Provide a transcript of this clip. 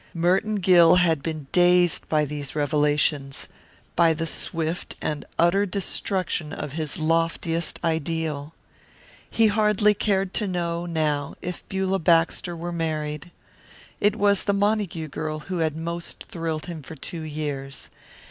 Merton Gill had been dazed by these revelations, by the swift and utter destruction of his loftiest ideal. He hardly cared to know, now, if Beulah Baxter were married. It was the Montague girl who had most thrilled him for two years.